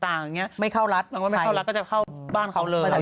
อันนี้เราเสียตังค์ซื้อ